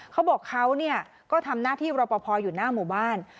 เขาบอกเขาก็ทำหน้าที่รอปภอยู่หน้าหมู่บ้าน